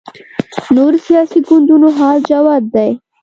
نورو سیاسي ګوندونو حال جوت دی